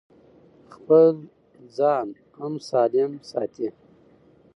خپل ځان هم سالم ساتي.